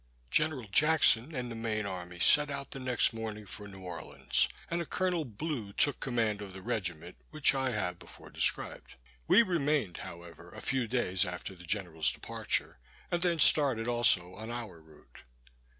General Jackson and the main army set out the next morning for New Orleans, and a Colonel Blue took command of the regiment which I have before described. We remained, however, a few days after the general's departure, and then started also on our route.